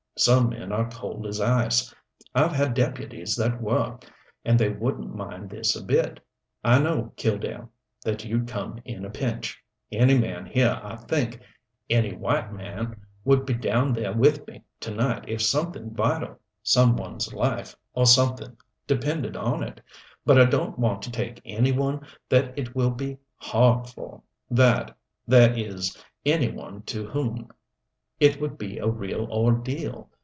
Some men are cold as ice, I've had deputies that were and they wouldn't mind this a bit. I know, Killdare, that you'd come in a pinch. Any man here, I think any white man would be down there with me to night if something vital some one's life or something depended on it. But I don't want to take any one that it will be hard for, that that is any one to whom it would be a real ordeal.